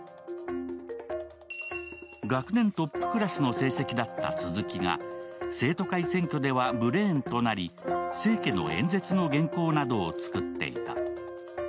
学年トップクラスの成績だった鈴木が生徒会選挙ではブレーンとなり清家の演説の原稿などを作っていた。